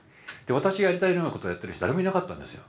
私がやりたいようなことやってる人は誰もいなかったんですよ。